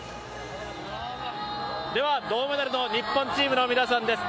銅メダルの日本チームの皆さんです。